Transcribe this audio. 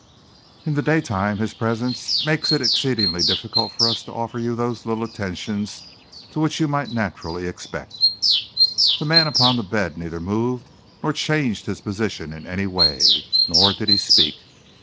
In the daytime his presence makes it exceedingly difficult for us to offer you those little attentions which you might naturally expect." The man upon the bed neither moved nor changed his position in any way. Nor did he speak.